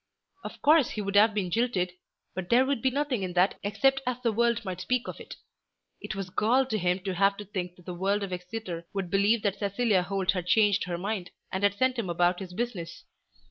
Of course he would have been jilted, but there would be nothing in that except as the world might speak of it. It was gall to him to have to think that the world of Exeter should believe that Cecilia Holt had changed her mind, and had sent him about his business.